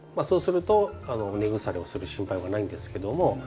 そうすると根腐れをする心配はないんですけども。